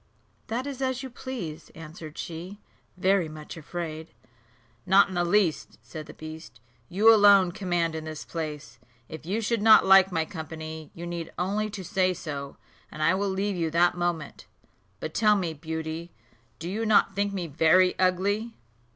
"That is as you please," answered she, very much afraid. "Not in the least," said the beast; "you alone command in this place. If you should not like my company, you need only to say so, and I will leave you that moment. But tell me, Beauty, do you not think me very ugly?"